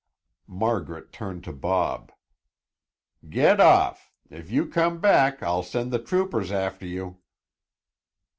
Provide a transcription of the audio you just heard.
Margaret turned to Bob. "Get off! If you come back, I'll send the troopers after you."